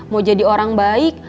mau jadi orang baik